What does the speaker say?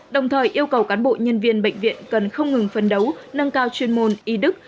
đồng thời yêu cầu cán bộ nhân viên bệnh viện cần không ngừng phân đấu nâng cao chuyên môn y đức